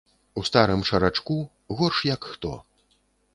У старым шарачку, горш як хто.